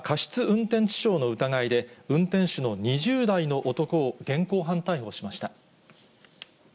運転致傷の疑いで、運転手の２０代の男を現行犯逮捕しました。